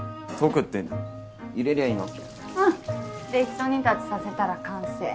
ひと煮立ちさせたら完成。